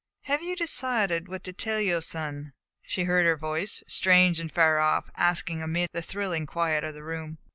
"Have you decided what to tell your son?" she heard her voice, strange and far off, asking amid the thrilling quiet of the room.